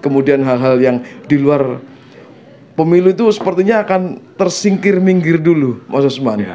kemudian hal hal yang di luar pemilu itu sepertinya akan tersingkir minggir dulu mas usman